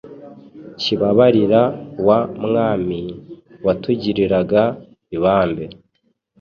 Kibabarira wa Mwami, Watugiriraga ibambe